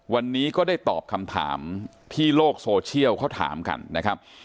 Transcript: วันนี้ก็ได้ตอบคำถามที่โลกโซเชียลเขาถามกันนะครับ